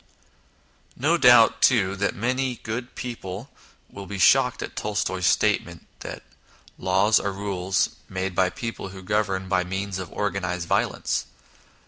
No doubt, too, many good people will be shocked at Tolstoy's statement that " Laws are rules made by people who govern by means of organised violence."